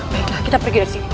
baiklah kita pergi dari sini